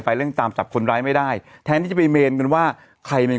เร่งตามจับคนร้ายไม่ได้แทนที่จะไปเมนกันว่าใครเป็น